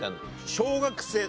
小学生。